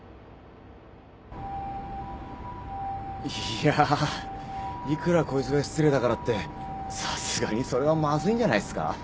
いやいくらこいつが失礼だからってさすがにそれはまずいんじゃないっすか？